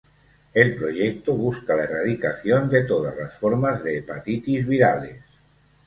El proyecto busca la erradicación de todas las formas de hepatitis virales.